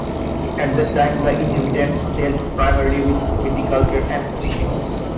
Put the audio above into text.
At that time, the inhabitants dealt primarily with viticulture and fishing.